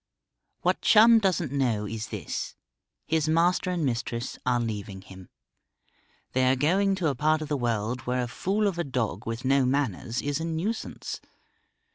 What Chum doesn't know is this: his master and mistress are leaving him. They are going to a part of the world where a fool of a dog with no manners is a nuisance.